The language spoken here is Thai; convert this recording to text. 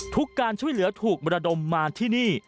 การช่วยเหลือถูกมรดมมาที่นี่